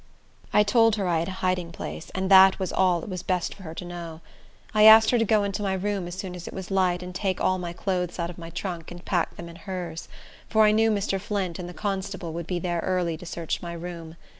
I told her I had a hiding place, and that was all it was best for her to know. I asked her to go into my room as soon as it was light, and take all my clothes out of my trunk, and pack them in hers; for I knew Mr. Flint and the constable would be there early to search my room.